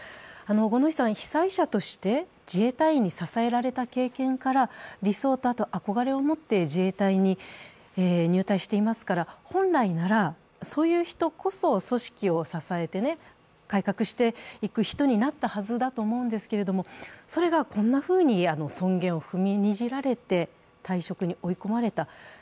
五ノ井さんは被災者として自衛隊員に支えられた経験から理想と憧れを持って自衛隊に入隊していますから、本来なら、そういう人こそ組織を支えて、改革していく人になったはずだと思うんですけれども、それがこんなふうに尊厳を踏みにじられて退職に追い込まれた。